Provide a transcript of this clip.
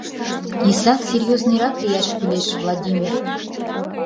Исак серьёзныйрак лияш кӱлеш, Владимир.